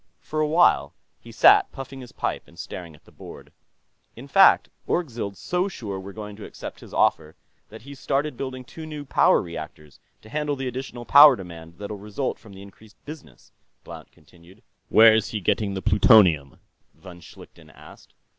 For a while, he sat puffing his pipe and staring at the board. "In fact, Orgzild's so sure that we're going to accept his offer that he's started building two new power reactors, to handle the additional power demand that'll result from the increased business," Blount continued. "Where's he getting the plutonium?" von Schlichten asked.